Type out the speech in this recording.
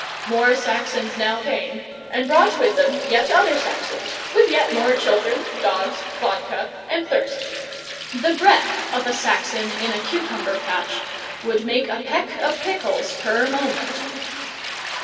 More Saxons now came, and brought with them yet other Saxons with yet more children, dogs, vodka, and thirst. The breath of a Saxon in a cucumber patch would make a peck of pickles per moment.